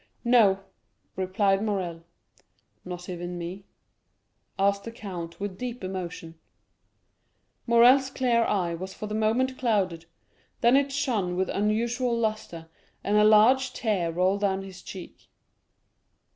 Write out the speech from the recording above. "No," replied Morrel. "Not even me?" asked the count with deep emotion. Morrel's clear eye was for the moment clouded, then it shone with unusual lustre, and a large tear rolled down his cheek.